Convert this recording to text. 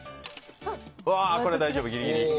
これは大丈夫、ギリギリ。